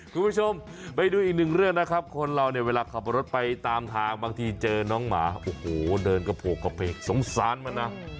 คุณผู้ชมไปดูอีกหนึ่งเรื่องนะครับคนเราเนี่ยเวลาขับรถไปตามทางบางทีเจอน้องหมาโอ้โหเดินกระโพกกระเพกสงสารมันนะ